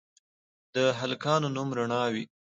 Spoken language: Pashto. هلکانو نوم رڼا وي